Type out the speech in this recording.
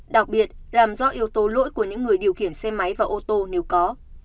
đặc biệt làm rõ yếu tố lỗi của những người điều khiển xe máy và ô tô nếu có